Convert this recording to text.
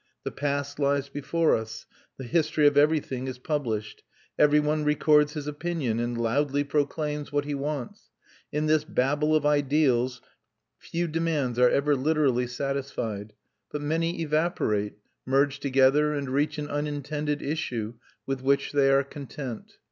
The past lies before us; the history of everything is published. Every one records his opinion, and loudly proclaims what he wants. In this Babel of ideals few demands are ever literally satisfied; but many evaporate, merge together, and reach an unintended issue, with which they are content.